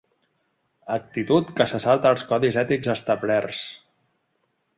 Actitud que se salta els codis ètics establerts.